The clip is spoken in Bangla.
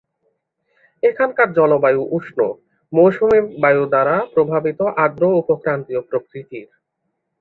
এখানকার জলবায়ু উষ্ণ, মৌসুমী বায়ু দ্বারা প্রভাবিত আর্দ্র উপক্রান্তীয় প্রকৃতির।